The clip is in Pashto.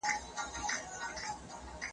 مغولو د علماوو د فعالولو لپاره هڅي پیل کړي.